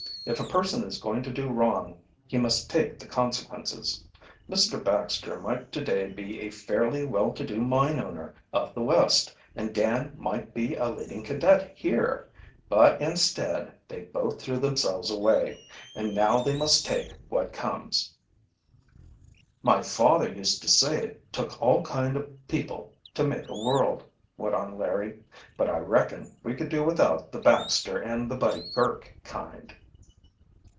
If a person is going to do wrong he must take the consequences. Mr. Baxter might today be a fairly well to do mine owner of the West and Dan might be a leading cadet here. But instead they both threw themselves away and now they must take what comes." "My father used to say it took all kind of people to make a world," went on Larry. "But I reckon we could do without the Baxter and the Buddy Girk kind."